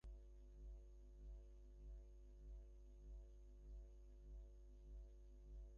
ফলে ঢাকা থেকে ছেড়ে আসা খুলনাগামী চিত্রা এক্সপ্রেস জয়দেবপুর স্টেশনে আটকা পড়ে।